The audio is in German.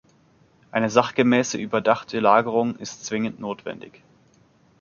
Eine sachgemäße überdachte Lagerung ist zwingend notwendig.